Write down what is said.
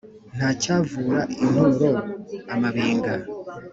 Ntacyavura inturo amabinga